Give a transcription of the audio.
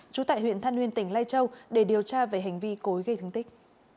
trú tại huyện than uyên tỉnh lai châu để điều tra về hành vi cối gây thương tích